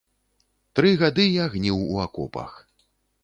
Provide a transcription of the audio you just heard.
Тры гады я гніў у акопах.